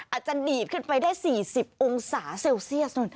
อาจจะดีดขึ้นไปได้๔๐องศาเซลเซียส